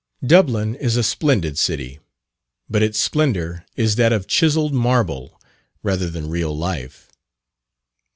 Dublin is a splendid city, but its splendour is that of chiselled marble rather than real life.